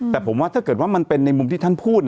แต่ผมว่าถ้าเกิดว่ามันเป็นในมุมที่ท่านพูด